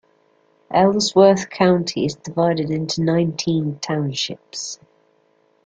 Ellsworth County is divided into nineteen townships.